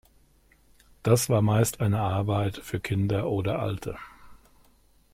Das war meist eine Arbeit für Kinder oder Alte.